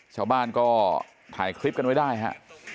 ชาวบ้านก็ถ่ายคลิปกันไว้ได้ฮะ